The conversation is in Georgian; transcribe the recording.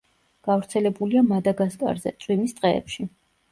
გავრცელებულია მადაგასკარზე წვიმის ტყეებში.